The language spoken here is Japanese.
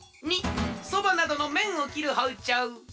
②そばなどのめんを切るほうちょう。